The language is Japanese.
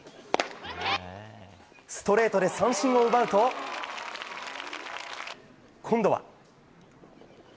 ストレートで三振を奪うと今度は。